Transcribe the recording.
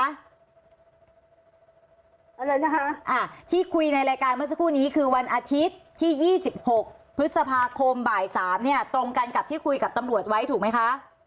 อะไรนะคะที่คุยในรายการเมื่อสักครู่นี้คือวันอาทิตย์ที่๒๖พฤษภาคมบ่าย๓เนี่ยตรงกันกับที่คุยกับตำรวจไว้ถูกไหมคะ